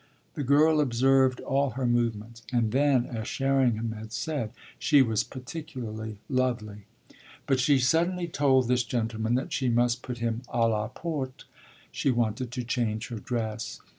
The girl observed all her movements. And then, as Sherringham had said, she was particularly lovely. But she suddenly told this gentleman that she must put him à la porte she wanted to change her dress.